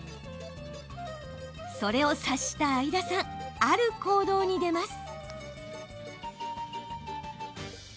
それを察した相田さんある行動に出ます。